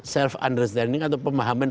self understanding atau pemahaman